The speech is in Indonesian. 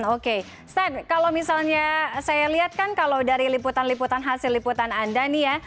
oke step kalau misalnya saya lihat kan kalau dari liputan liputan hasil liputan anda nih ya